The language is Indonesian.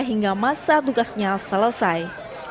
hingga masa tugasnya selesai